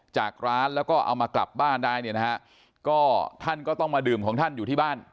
จากร้านแล้วก็เอามากลับบ้านได้เนี่ยนะฮะก็ท่านก็ต้องมาดื่มของท่านอยู่ที่บ้าน